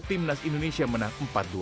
tim nas indonesia menang empat dua